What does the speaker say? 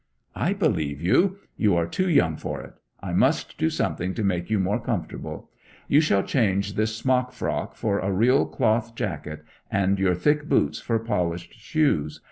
'I believe you. You are too young for it. I must do something to make you more comfortable. You shall change this smock frock for a real cloth jacket, and your thick boots for polished shoes.